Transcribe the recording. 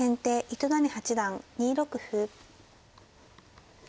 糸谷八段２六歩。